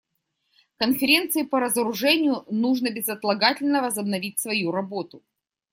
Конференции по разоружению нужно безотлагательно возобновить свою работу.